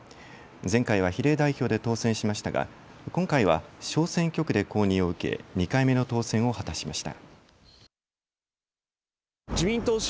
前回は比例代表で当選しましたが今回は小選挙区で公認を受け、２回目の当選を果たしました。